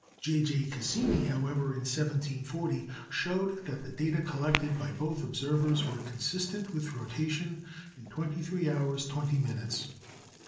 J. J. Cassini, however, in 1740, showed that the data collected by both observers were consistent with rotation in twenty three hours twenty minutes.